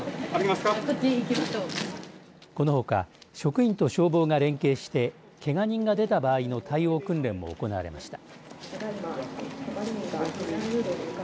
このほか職員と消防が連携してけが人が出た場合の対応訓練も行われました。